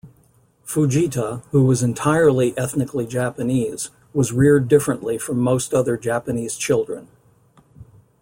Fujita, who was entirely ethnically Japanese, was reared differently from most other Japanese children.